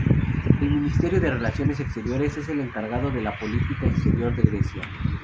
El Ministerio de Relaciones Exteriores es el encargado de la política exterior de Grecia.